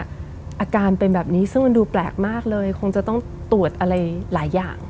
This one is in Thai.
อาการเป็นแบบนี้ซึ่งมันดูแปลกมากเลยคงจะต้องตรวจอะไรหลายอย่าง